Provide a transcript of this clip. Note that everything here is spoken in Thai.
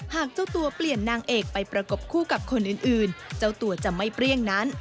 หากเจ้าตัวเปลี่ยนนางเอกไปประกบคู่กับคนอื่นเจ้าตัวจะไม่เปรี้ยงนั้น